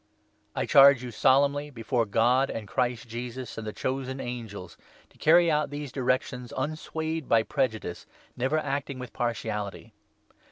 I 21 charge you solemnly, before God and Christ Jesus °n and the Chosen Angels, to carry out these direc subjects. tions, unswayed by prejudice, never acting with partiality.